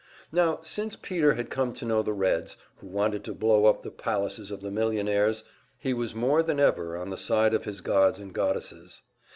Now since Peter had come to know the Reds, who wanted to blow up the palaces of the millionaires, he was more than ever on the side of his gods and goddesses.